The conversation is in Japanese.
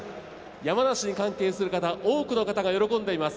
山梨に関係する方多くの方が喜んでいます。